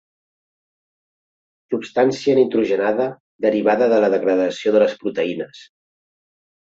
Substància nitrogenada derivada de la degradació de les proteïnes.